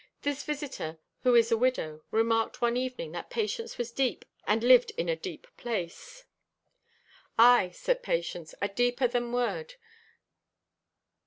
This visitor, who is a widow, remarked one evening that Patience was deep and lived in a deep place. "Aye," said Patience, "a deeper than word.